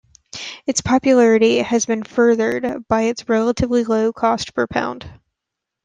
Its popularity has been furthered by its relatively low cost per pound.